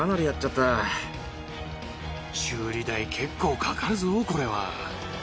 修理代結構かかるぞこれは。